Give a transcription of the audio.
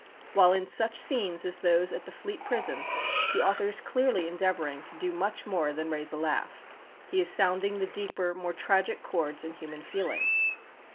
While in such scenes as those at the Fleet Prison, the author is clearly endeavouring to do much more than raise a laugh. He is sounding the deeper, more tragic chords in human feeling.